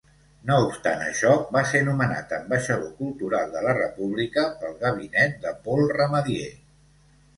No obstant això, va ser nomenat ambaixador cultural de la República pel gabinet de Paul Ramadier.